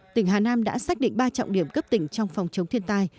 tỉnh hà nam đã xác định ba trọng điểm cấp tỉnh trong phòng chống thiên tai